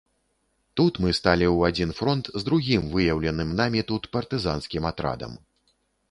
Тут мы сталі ў адзін фронт з другім, выяўленым намі тут партызанскім атрадам.